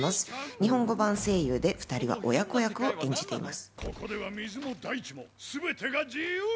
日本語版声優で２人は親子役を演じています。